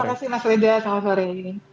terima kasih mas reza selamat sore